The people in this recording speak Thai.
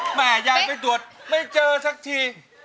แม่ยายไปตรวจไม่เจอสักที